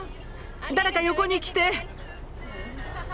誰か横に来て。